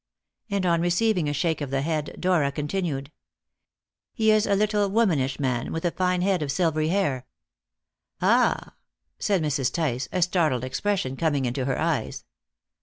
And on receiving a shake of the head, Dora continued: "He is a little womanish man, with a fine head of silvery hair." "Ah!" said Mrs. Tice, a startled expression coming into her eyes.